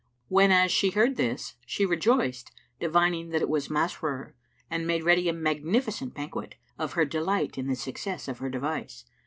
Whenas she heard this, she rejoiced divining that it was Masrur, and made ready a magnificent banquet,[FN#345] of her delight in the success of her device.